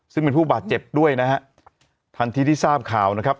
ซึ่งเป็นผู้บาดเจ็บด้วยนะฮะทันทีที่ทราบข่าวนะครับ